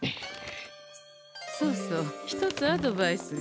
そうそう一つアドバイスが。